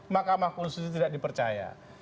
makam konstitusi tidak dipercaya